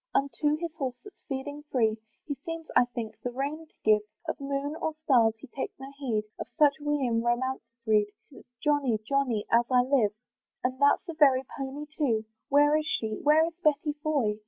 Unto his horse, that's feeding free, He seems, I think, the rein to give; Of moon or stars he takes no heed; Of such we in romances read, 'Tis Johnny! Johnny! as I live. And that's the very pony too. Where is she, where is Betty Foy?